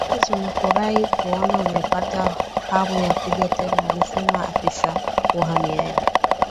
basi tunafurahi kuona umepata hamu ya kuja tena alisema afisa uhamiaji